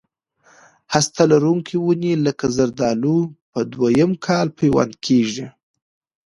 هسته لرونکي ونې لکه زردالو په دوه یم کال پیوند کېږي.